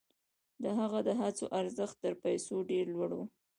د هغه د هڅو ارزښت تر پیسو ډېر لوړ و.